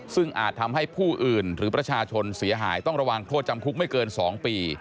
ซึ่งอาจทำให้ผู้อื่นหรือประชาชนเสียหายต้องระวังโทษจำคุกไม่เกิน๒ปี